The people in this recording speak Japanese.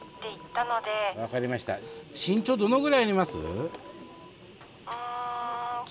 身長どのぐらいあります？